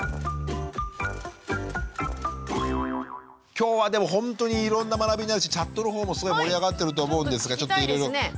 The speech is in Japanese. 今日はでもほんとにいろんな学びになるしチャットの方もすごい盛り上がってると思うんですけどちょっといろいろ。